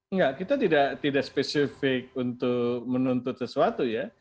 enggak kita tidak spesifik untuk menuntut sesuatu ya